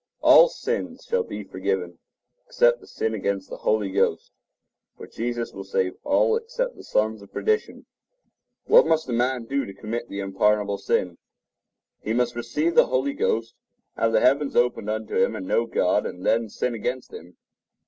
3:23 28.) The Forgiveness of Sins[edit] All sins shall be forgiven, except the sin against the Holy Ghost; for Jesus will save all except the sons of perdition. What must a man do to commit the unpardonable sin? He must receive the Holy Ghost, have the heavens opened unto him, and know God, and then sin against Him.